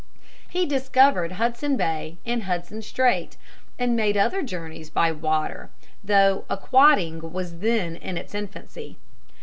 He discovered Hudson Bay and Hudson Strait, and made other journeys by water, though aquatting was then in its infancy.